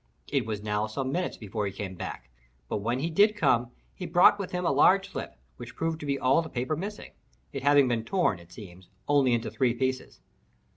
It was now some minutes before he came back—but when he did come, he brought with him a large slip, which proved to be all the paper missing—it having been torn, it seems, only into three pieces.